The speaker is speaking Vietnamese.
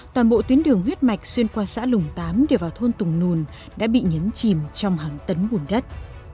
toàn bộ tuyến đường huyết mạch xuyên qua xã lùng tám để vào thôn tùng nùn đã bị nhấn chìm trong hàng tấn bùn đất